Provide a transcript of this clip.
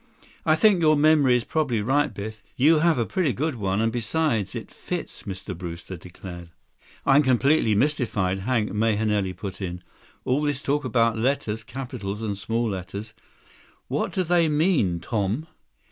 "I think your memory is probably right, Biff. You have a pretty good one, and besides, it fits," Mr. Brewster declared. 72 "I'm completely mystified," Hank Mahenili put in. "All this talk about letters, capitals, and small letters. What do they mean, Tom?"